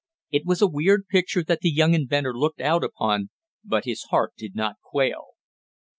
It was a weird picture that the young inventor looked out upon, but his heart did not quail.